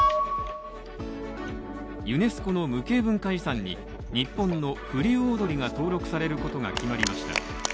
ユネスコの無形文化遺産に日本の風流踊が登録されることが分かりました